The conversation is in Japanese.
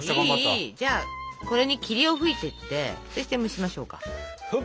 じゃあこれに霧を吹いてってそして蒸しましょうか。